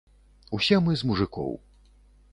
Усе мы з мужыкоў.